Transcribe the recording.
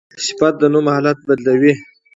صفت د نوم حالت بدلوي.